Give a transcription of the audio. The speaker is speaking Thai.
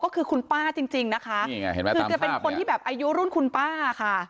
ก็คือคุณป้าจริงจริงนะคะนี่ไงเห็นไหมคือแกเป็นคนที่แบบอายุรุ่นคุณป้าค่ะ